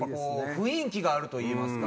雰囲気があるといいますか。